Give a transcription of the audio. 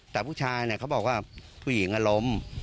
แต่ผู้ชายเขาบอกว่าผู้หญิงล้ม